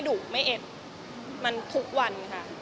ดูเรื่องทุกวัน